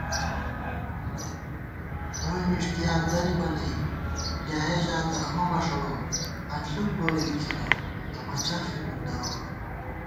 ووئی مِݭٹِیار درِبہ نئ، بۡلیایَہ ژاتہ امہ مݭَڑوک * انݪُک پوری اِڅِنہ امہ چَخݪی نُن دروک